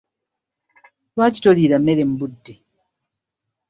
Lwaki toliira mmere mu budde?